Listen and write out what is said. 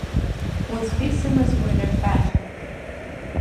Уаҵәтәи сымаз гәырӷьаҿҳәашан.